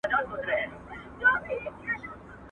جهاني قاصد را وړي په سرو سترګو څو کیسې دي!